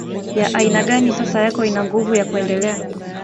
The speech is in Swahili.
ya aina gani sasa yako ina nguvu ya kuendelea